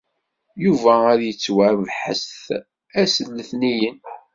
Yuba ad yettwabḥet ass n letniyen.